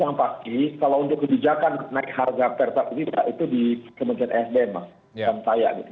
yang pasti kalau untuk kebijakan naik harga pertalite itu di kementerian sdm